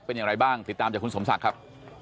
เป็นอย่างไรบ้างติดตามจากคุณสมศักดิ์ครับ